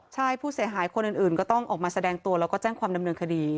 ใช่ผู้เสียหายคนอื่นก็ต้องออกมาแสดงตัวแล้วก็แจ้งความดำเนินคดี